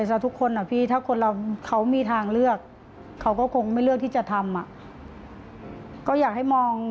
จะกลับตัวกลับใจ